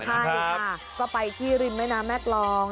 ค่ะอย่างนี้ก็ไปที่ริมแม่น้ำแม็กรอง